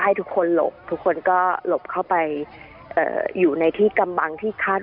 ให้ทุกคนหลบทุกคนก็หลบเข้าไปอยู่ในที่กำบังที่คาด